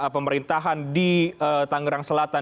pemerintahan di tanggerang selatan